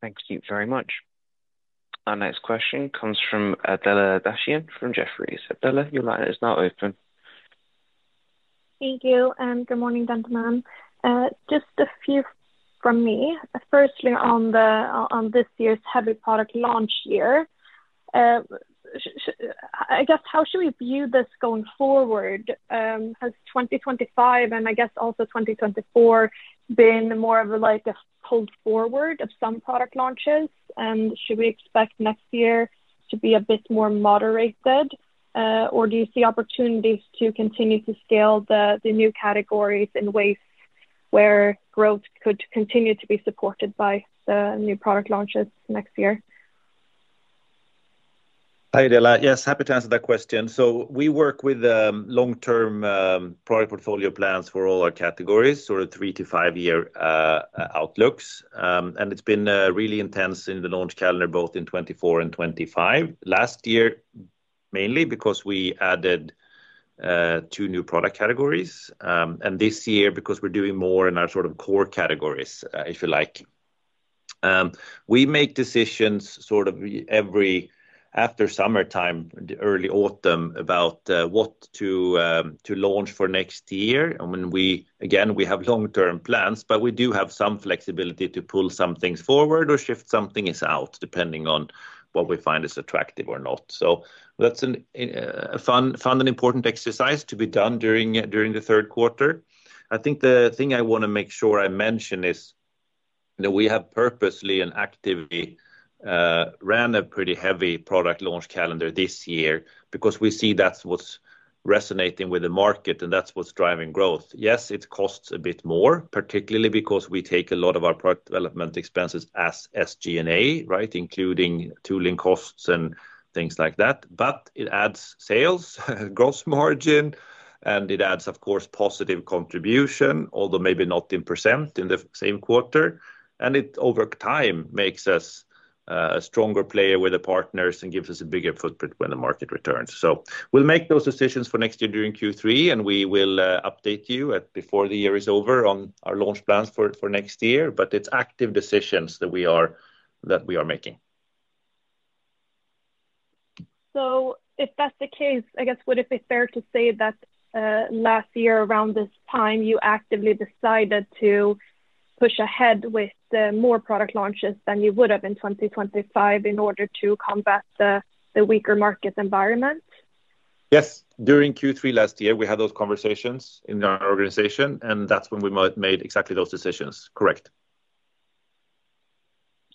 Thank you very much. Our next question comes from Adelaide Daschen from Jefferies. Adelaide, your line is now open. Thank you and good morning, gentlemen. Just a few from me. Firstly, on this year's heavy product launch year. I guess, how should we view this going forward? Has 2025 and I guess also 2024 been more of like a hold forward of some product launches? And should we expect next year to be a bit more moderated? Or do you see opportunities to continue to scale the new categories in ways where growth could continue to be supported by the new product launches next year? Hi, Della. Yes, happy to answer that question. So we work with long term product portfolio plans for all our categories, sort of three to five year outlooks, and it's been really intense in the launch calendar both in '24 and '25. Last year, mainly because we added two new product categories, and this year because we're doing more in our sort of core categories, if you like. We make decisions sort of every after summertime, early autumn about what to to launch for next year. And when we, again, we have long term plans, but we do have some flexibility to pull some things forward or shift something is out, depending on what we find is attractive or not. So, that's an important exercise to be done during the third quarter. I think the thing I want to make sure I mention is that we have purposely and actively ran a pretty heavy product launch calendar this year, because we see that's what's resonating with the market and that's what's driving growth. Yes, it costs a bit more, particularly because we take a lot of our product development expenses as SG and A, right, including tooling costs and things like that, but it adds sales, gross margin, and it adds, of course, positive contribution, although maybe not in percent in the same quarter. And it over time makes us a stronger player with the partners and gives us a bigger footprint when the market returns. So we'll make those decisions for next year during Q3, and we will update you before the year is over on our launch plans for next year, but it's active decisions that we are making. So if that's the case, I guess, would it be fair to say that last year around this time, you actively decided to push ahead with more product launches than you would have in 2025 in order to combat the weaker market environment? Yes. During Q3 last year, we had those conversations in our organization, and that's when we made exactly those decisions. Correct.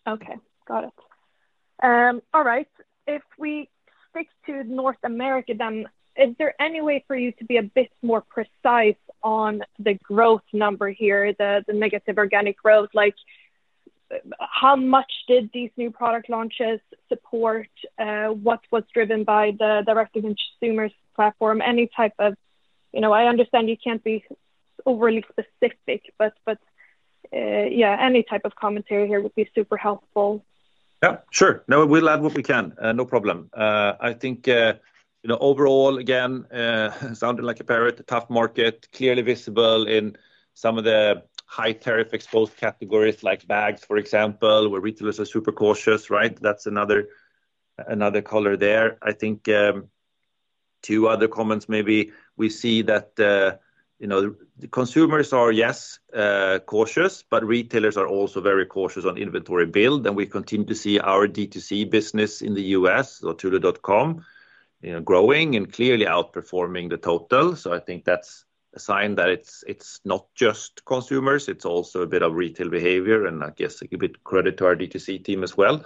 Okay. Got it. Alright. If we stick to North America then, is there any way for you to be a bit more precise on the growth number here, the the negative organic growth? Like, how much did these new product launches support? What was driven by the direct to consumer platform? Any type of I understand you can't be overly specific, but yes, any type of commentary here would be super helpful. Yes, sure. No, we'll add what we can. No problem. I think overall, again, sounded like a very tough market, clearly visible in some of the high tariff exposed categories like bags, for example, where retailers are super cautious, right? That's another color there. I think two other comments maybe. We see that, you know, the consumers are, yes, cautious, but retailers are also very cautious on inventory build, and we continue to see our DTC business in The U. S, thotulo.com, growing and clearly outperforming the total, so I think that's a sign that it's not just consumers, it's also a bit of retail behavior, and I guess a bit credit to our DTC team as well.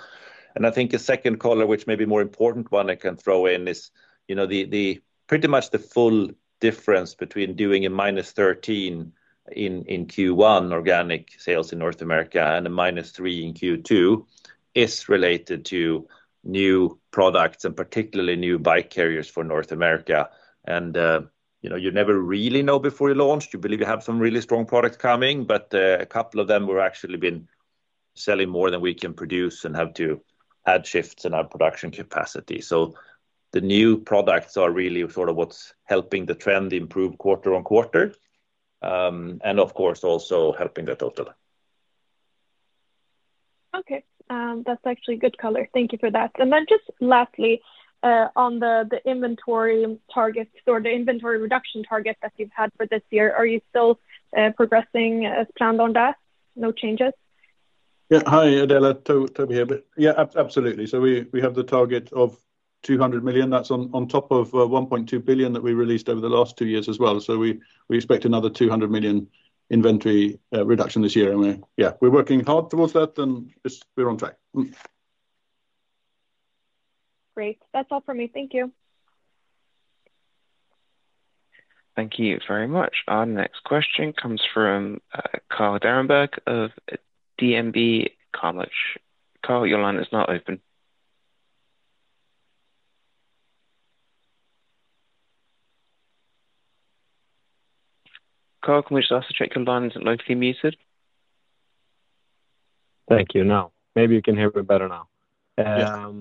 And I think a second color, which may be more important one I can throw in is, you know, the pretty much the full difference between doing a minus 13 in in q one organic sales in North America and a minus three in q two is related to new products and particularly new bike carriers for North America. And, you never really know before you launch, you believe you have some really strong products coming, but a couple of them were actually been selling more than we can produce and have to add shifts in our production capacity. So the new products are really sort of what's helping the trend improve quarter on quarter, and of course also helping the total. Okay. That's actually good color. Thank you for that. And then just lastly, on the inventory target or the inventory reduction target that you've had for this year, are you still progressing as planned on that? No changes? Adela, Toby here. Yes, absolutely. So we have the target of £200,000,000 That's on top of £1,200,000,000 that we released over the last two years as well. So we expect another £200,000,000 inventory reduction this year. Yes, we're working hard towards that and we're on track. Great, that's all for me. Thank you. Thank you very much. Our next question comes from Karl Derenberg of DNB. Karl, can we just ask to check your line is not locally muted? Thank you. Now maybe you can hear me better now. I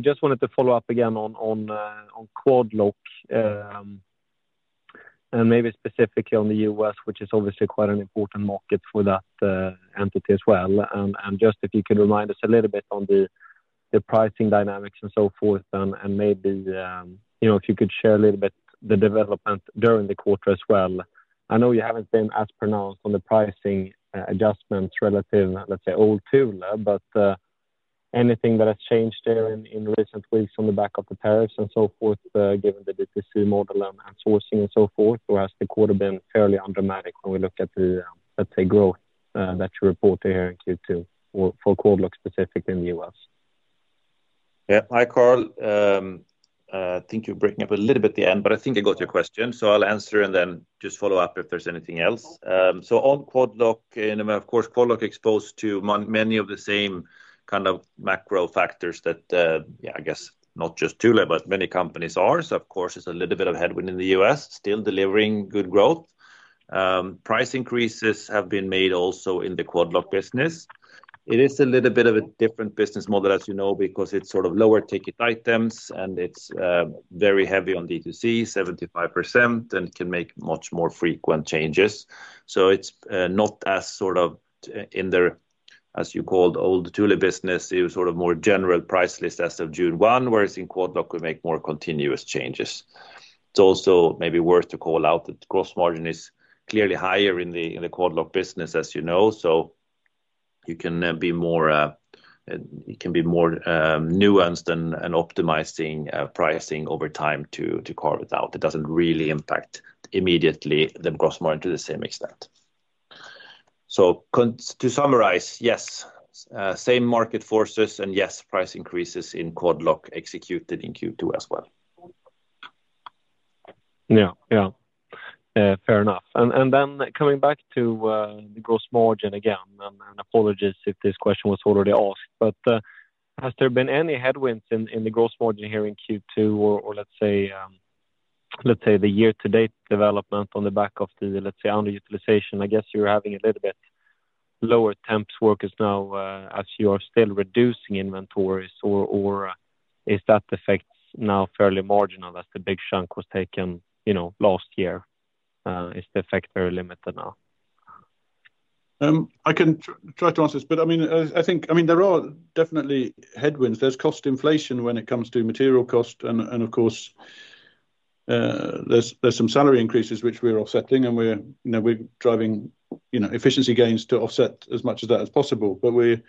just wanted to follow-up again on Quadlock and maybe specifically on The U. S, which is obviously quite an important market for that entity as well. And just if you could remind us a little bit on the pricing dynamics and so forth and maybe if you could share a little bit the development during the quarter as well. I know you haven't been as pronounced on the pricing adjustments relative, let's say, old tool, but anything that has changed there in recent weeks on the back of the tariffs and so forth, given the DTC model and sourcing and so forth? Or has the quarter been fairly undramatic when we look at the, let's say, growth that you reported here in Q2 for Cordlock specifically in The U. S? Yes. Karl, think you're breaking up a little bit at the end, but I think I got your question. So I'll answer and then just follow-up if there's anything else. So on Quadlock, of course, Quadlock exposed to many of the same kind of macro factors that, yeah, I guess not just Thule, but many companies are. So, of course, it's a little bit of headwind in The U. S, still delivering good growth. Price increases have been made also in the Quadlock business. It is a little bit of a different business model, as you know, because it's sort of lower ticket items, and it's very heavy on D2C, 75%, and can make much more frequent changes. So it's not as sort of in there, as you called, old Thule business, it was sort of more general price list as of June 1, whereas in Quadlock we make more continuous changes. It's also maybe worth to call out that gross margin is clearly higher in the QuadLock business as you know, so you can be more nuanced and optimizing pricing over time to carve it out. It doesn't really impact immediately the gross margin to the same extent. So to summarize, yes, same market forces and yes, price increases in Quadlock executed in Q2 as well. Yes, yes. Fair enough. And then coming back to the gross margin again, and apologies if this question was already asked, but has there been any headwinds in the gross margin here in Q2 or let's say, the year to date development on the back of the, let's say, underutilization? I guess you're having a little bit lower temps workers now as you are still reducing inventories? Or is that effect now fairly marginal as the big chunk was taken last year? Is the effect very limited now? I can try to answer this, but I mean I think I mean there are definitely headwinds. There's cost inflation when it comes to material costs, of course there's some salary increases which we're offsetting and we're driving efficiency gains to offset as much of that as possible. But we're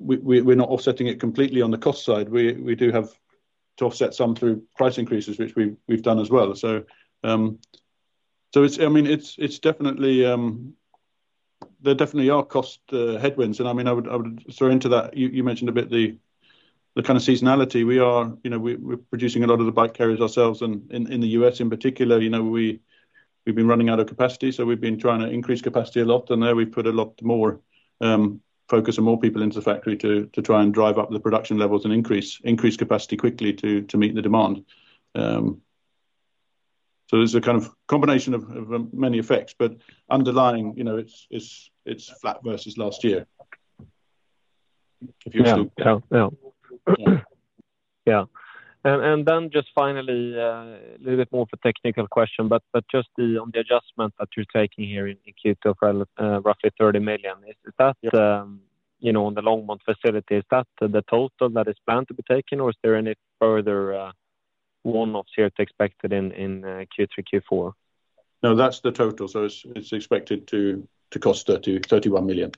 not offsetting it completely on the cost side. Do have to offset some through price increases, which we've done as well. There definitely are cost headwinds. I would throw into that, you mentioned a bit the kind of seasonality. We're producing a lot of the bike carriers ourselves. In The US in particular, we've been running out of capacity. So we've been trying to increase capacity a lot. And there we've put a lot more focus and more people into the factory to try and drive up the production levels and increase capacity quickly to meet the demand. So there's a kind of combination of many effects, but underlying it's flat versus last year. Yes. Then just finally, little bit more of a technical question, just on the adjustment that you're taking here in Q2 of roughly 30,000,000, is that on the long bond facility, is that the total that is planned to be taken? Or is there any further one offs here expected in Q3, Q4? No, that's the total. So it's expected to cost 31,000,000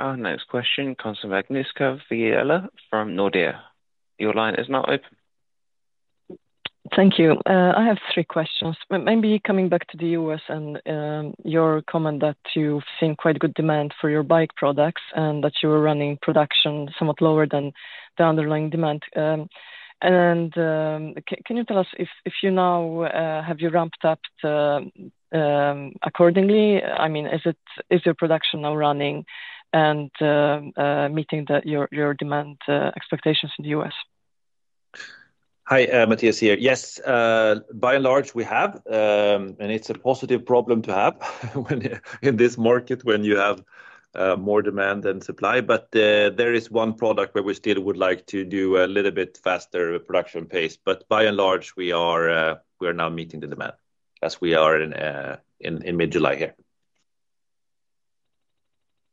Our next question comes from Agnieszka Viella from Nordea. I have three questions. Maybe coming back to The U. S. And your comment that you've seen quite good demand for your bike products and that you were running production somewhat lower than the underlying demand. And can you tell us if you now have you ramped up accordingly? I mean, is it is your production now running and meeting that your demand expectations in The U. S? Hi, Matthias here. Yes, by and large, we have, and it's a positive problem to have in this market when you have more demand than supply. But there is one product where we still would like to do a little bit faster production pace. But by and large, we are now meeting the demand as we are in mid July here.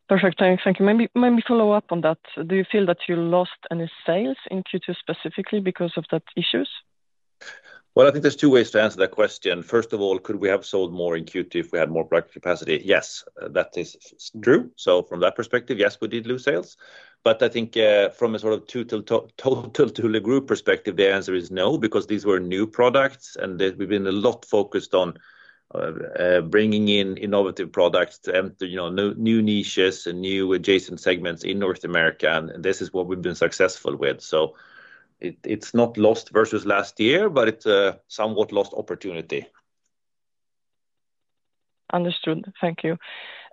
Perfect. Thank you. Maybe follow-up on that. Do you feel that you lost any sales in Q2 specifically because of that issues? Well, I think there's two ways to answer that question. First of all, could we have sold more in Q2 if we had more product capacity? Yes, that is true. So from that perspective, yes, we did lose sales, but I think from a sort of total Thule Group perspective, the answer is no, because these were new products, and we've been a lot focused on bringing in innovative products to enter new niches and new adjacent segments in North America, and this is what we've been successful with. So, it's not lost versus last year, but it's a somewhat lost opportunity. Understood. Thank you.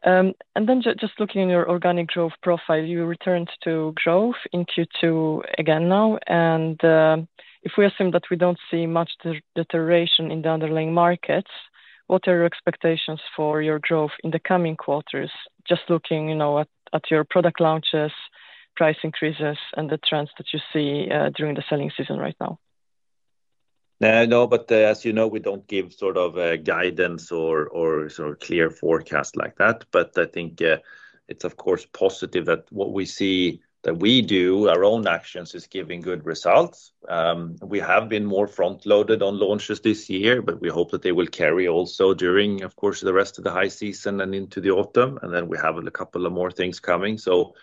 And then just looking at your organic growth profile, you returned to growth in Q2 again now, and we assume that we don't see much deterioration in the underlying markets, what are your expectations for your growth in the coming quarters, just looking at your product launches, price increases and the trends that you see during the selling season right now? No. But as you know, we don't give sort of guidance or sort of clear forecast like that. But I think it's, of course, positive that what we see that we do, our own actions, is giving good results. We have been more front loaded on launches this year, but we hope that they will carry also during, of course, the rest of the high season and into the autumn, and then we have a couple of more things coming. So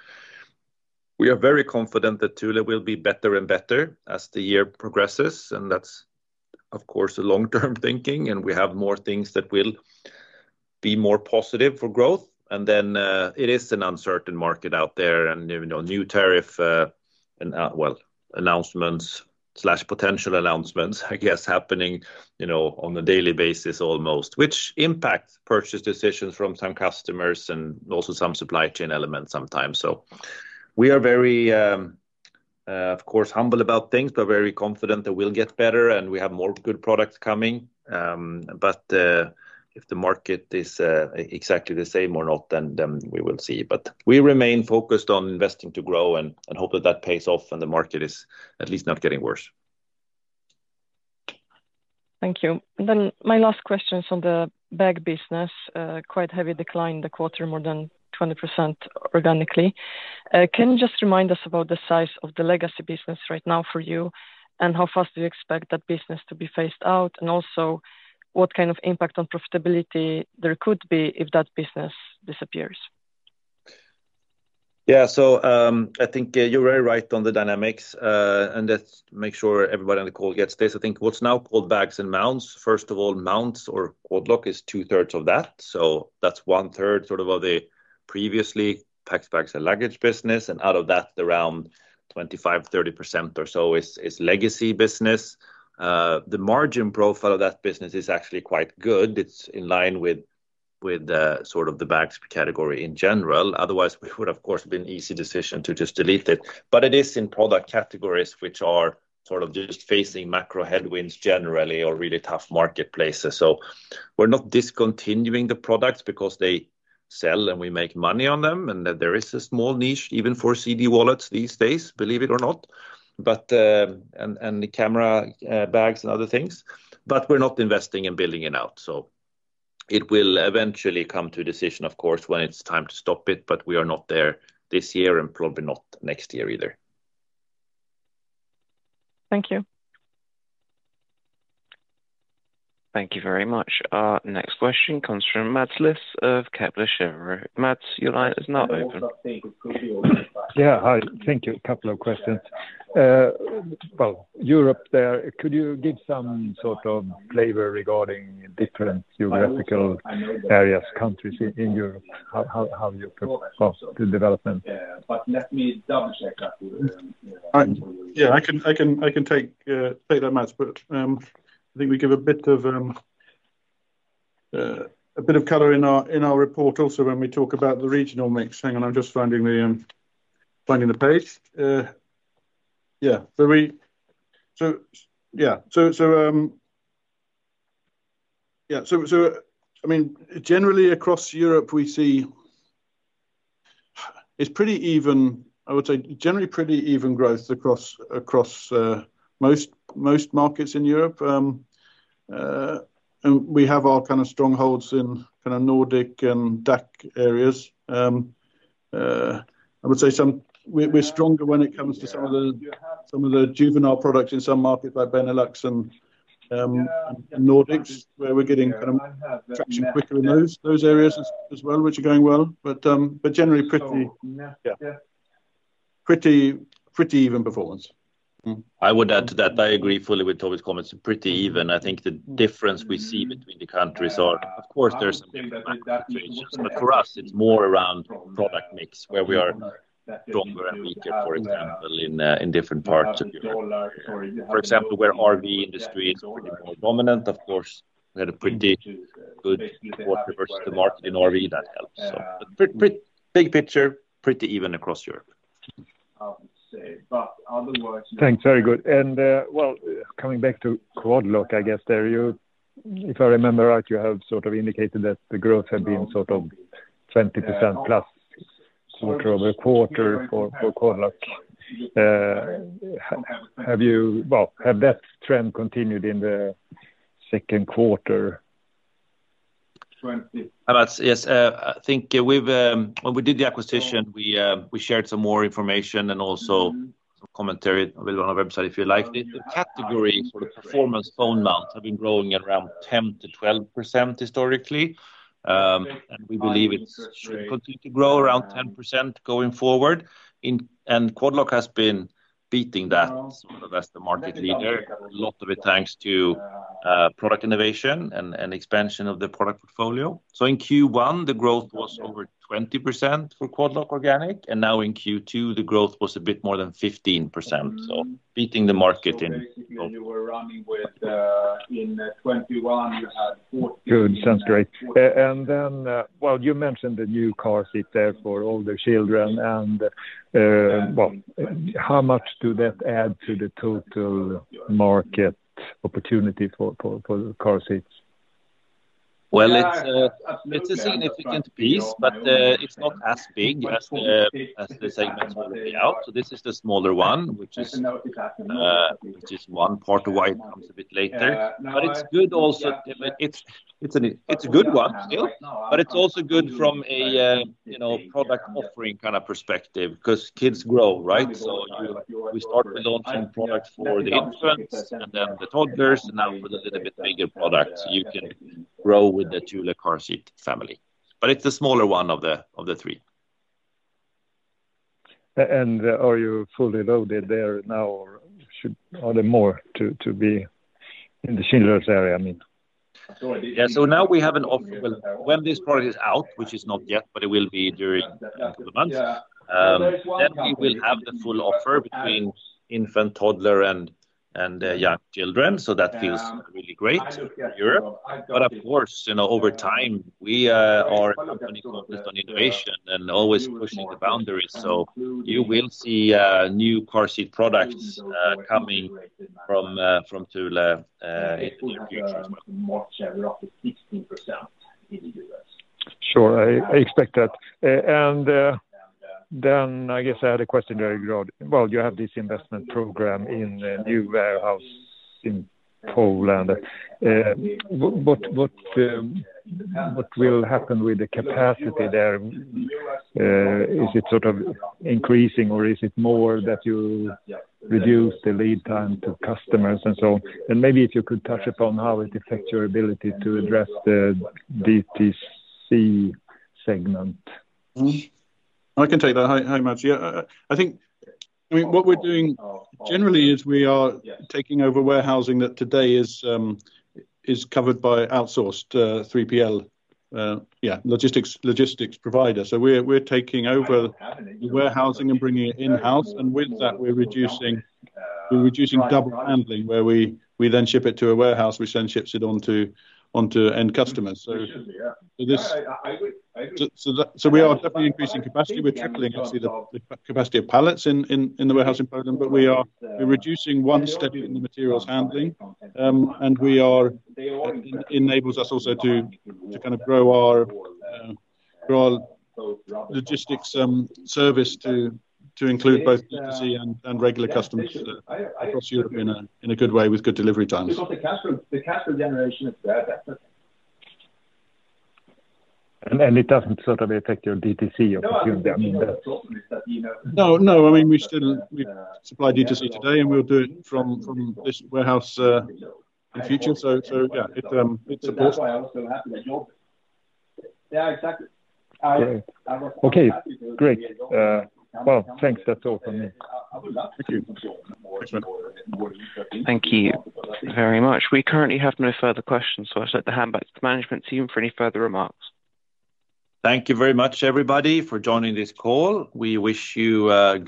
we are very confident that Thule will be better and better as the year progresses, and that's, of course, a long term thinking, and we have more things that will be more positive for growth. And then it is an uncertain market out there, and even on new tariff and, well, announcementspotential announcements, I guess, happening on a daily basis almost, which impacts purchase decisions from some customers, and also some supply chain elements sometimes. So, we are very, of course, humble about things, but very confident that we'll get better, and we have more good products coming, but if the market is exactly the same or not, then we will see. But we remain focused on investing to grow, and hope that that pays off, and the market is at least not getting worse. Thank you. And then my last question is on the bag business, quite heavy decline in the quarter, more than 20% organically. Can you just remind us about the size of the legacy business right now for you? And how fast do you expect that business to be phased out? And also, what kind of impact on profitability there could be if that business disappears? Yes. So I think you're very right on the dynamics, and let's make sure everybody on the call gets this. Think what's now called bags and mounts, first of all, mounts or cold lock is two thirds of that. So that's one third sort of of the previously packs, packs, and luggage business. And out of that, around 25, 30% or so is is legacy business. The margin profile of that business is actually quite good. It's in line with with the sort of the bags category in general. Otherwise, we would, of course, have been easy decision to just delete it. But it is in product categories, which are sort of just facing macro headwinds generally or really tough marketplaces. So we're not discontinuing the products because they sell and we make money on them, and that there is a small niche even for CD wallets these days, believe it or not. But and and the camera bags and other things, but we're not investing and building it out. So it will eventually come to a decision, of course, when it's time to stop it, but we are not there this year and probably not next year either. Thank you. Thank you very much. Our next question comes from Matt Liss of Kepler Cheuvreux. Matt, your line is now open. Yes. Hi. Thank you. A couple of questions. Well, Europe there, could you give some sort of flavor regarding different geographical areas, countries in Europe? How do you propose to develop them? Yes, but let me double check that. Yes, I can take that, Matt. But I think we give a bit of color in our report also when we talk about the regional mix. Hang on, I'm just finding the page. So I mean generally across Europe we see it's pretty even, I would say generally pretty even growth across most markets in Europe. We have our kind of strongholds Nordic and DAC areas. I would say we're stronger when it comes to some of the juvenile products in some markets like Benelux and Nordics where we're getting traction quicker in those areas as well, which are going well, but but generally pretty. Yeah. Pretty pretty even performance. I would add to that I agree fully with to's comments are pretty even I think the difference we see between the countries are of course there's for us it's more around product mix where we are stronger and weaker for example in different parts of Europe. For example where RV industry is pretty more dominant of course we had a pretty good quarter versus the market in RV that helps. So big picture, pretty even across Europe. Thanks, very good. And well, coming back to Quadlock, I guess there you if I remember right, you have sort of indicated that the growth had been sort of 20% plus quarter over quarter for Quadlock. Have you well, have that trend continued in the second quarter? Yes. I think we've when we did the acquisition, we shared some more information and also commentary on our website if you like. The category for the performance phone lines have been growing at around 10% to 12% historically, and we believe it should continue to grow around 10% going forward. And Quadlock has been beating that, sort of as the market leader, a lot of it thanks to product innovation and expansion of the product portfolio. So in Q1, the growth was over 20% for Quadlock organic and now in Q2, the growth was a bit more than 15. So beating the market in Basically, you were running with in 2021, you had 40%. Good. Sounds great. And then well, you mentioned the new car seat there for older children and well, how much do that add to the total market opportunity for car seats? Well it's a significant piece but it's not as big as the segments will be out. So this is the smaller one, which is just one part of why it comes a bit later. But it's good also, it's a good one still, but it's also good from a product offering kind of perspective, because kids grow, right? So we start launching products for the infants and then the toddlers now with a little bit bigger products you can grow with the Tula car seat family. But it's a smaller one of the three. And are you fully loaded there now or should are there more to be in the Schindler's area I mean? Yeah. So now we have an offer when this product is out which is not yet but it will be during months then we will have the full offer between infant toddler and young children. So that feels really great in Europe. But of course you know over time we are on innovation and always pushing the boundaries. So you will see new car seat products coming from Thule in the future. Sure. I expect that. And then I guess I had a question there regarding, well, you have this investment program in new warehouse in Poland. Will happen with the capacity there? Is it sort of increasing or is it more that you reduce the lead time to customers and so on? And maybe if you could touch upon how it affects your ability to address the DTC segment? I can take that. Hi, Mats. I think what we're doing generally is we are taking over warehousing that today is covered by outsourced three p l yeah. Logistics logistics provider. So we're we're taking over warehousing and bringing it in house. With that, we're reducing we're reducing double handling where we we then ship it to a warehouse, which then ships it onto end customers. So we are definitely increasing capacity. We're tripling, obviously, the capacity of pallets in the warehousing program, but we're reducing one step in the materials handling. And enables us also to kind of grow our logistics service to include both legacy and regular customers across Europe in a good way with good delivery times. Because the cash flow generation is bad. It doesn't sort of affect your DTC or no. I mean, we still supply DTC today, and we'll do from from this warehouse in the future. So so, yeah, it it supports. Yeah. Exactly. Okay. Great. Well, thanks. That's all from me. Thank you very much. We currently have no further questions. So I'd like to hand back to the management team for any further remarks. Thank you very much, everybody, for joining this call. We wish hopefully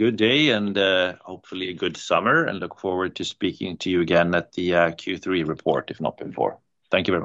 a good summer, and look forward to speaking to you again at the q three report, if not before. Thank you very